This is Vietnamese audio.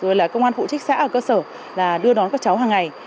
rồi là công an phụ trích xã ở cơ sở đưa đón các cháu hằng ngày